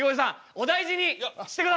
お大事にしてください！